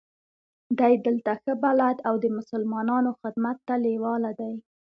دی دلته ښه بلد او د مسلمانانو خدمت ته لېواله دی.